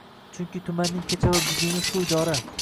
Chunki tumanning kecha va buguni shu idora.